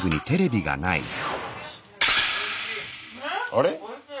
あれ？